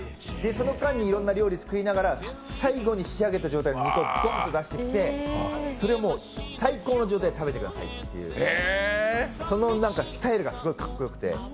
その間にいろんな料理を作りながら、最後に仕上げた状態で肉をボンと出してきてそれを最高の状態で食べてくださいっていうそのスタイルがすごいかっこよくて。